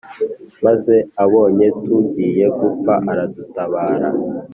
maze abonye tugiye gupfa aradutabara,